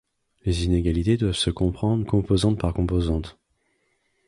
Les inégalités doivent se comprendre composante par composante.